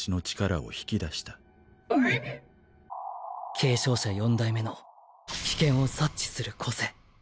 継承者四代目の危険を察知する個性